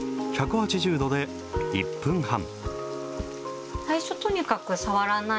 １８０度で１分半。